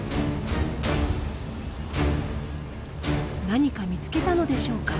何か見つけたのでしょうか？